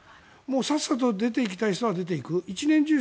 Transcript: さっさと出ていきたい人は出ていく。